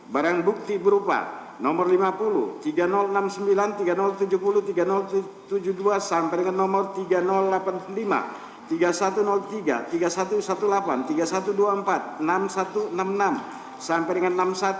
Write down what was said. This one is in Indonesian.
barang bukti berupa nomor lima puluh tiga ribu enam puluh sembilan tiga ribu tujuh puluh tiga ribu tujuh puluh dua sampai dengan nomor tiga ribu delapan puluh lima tiga ribu satu ratus tiga tiga ribu satu ratus delapan belas tiga ribu satu ratus dua puluh empat enam ribu satu ratus enam puluh enam sampai dengan enam ribu satu ratus tujuh puluh tujuh